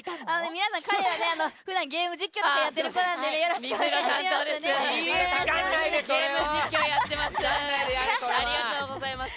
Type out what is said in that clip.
皆さん、彼はふだんゲーム実況とかやってる子なんでよろしくお願いします。